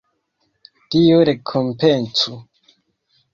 Dio rekompencu!